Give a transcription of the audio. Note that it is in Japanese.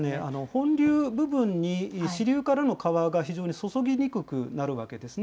本流部分に、支流からの川が非常に注ぎにくくなるわけですね。